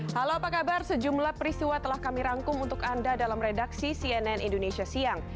halo apa kabar sejumlah peristiwa telah kami rangkum untuk anda dalam redaksi cnn indonesia siang